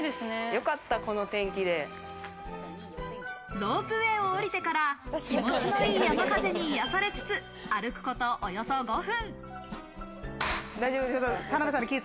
ロープウェーを降りてから、気持ちのいい山風に癒やされつつ歩くことおよそ５分。